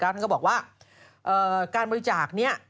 เขาบอกว่าการบริจาคนี้